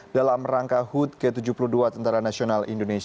dalam rangka hud ke tujuh puluh dua tni